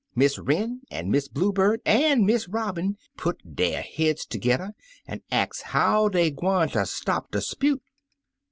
Miss Wren an' Miss Blue Bird an' Miss Robin put der heads tergedder, an' ax how dey gwineter stop de 'spute.